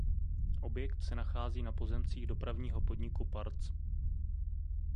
Objekt se nachází na pozemcích dopravního podniku parc.